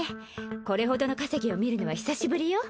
これほどの稼ぎを見るのは久しぶりよ